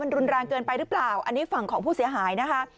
มันรุนรางเกินไปรึเปล่าอันนี้ฝั่งกล่องผู้เสี่ยหายนะคะ